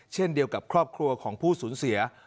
เช่นเดียวกับครอบครัวของผู้สูญเสีย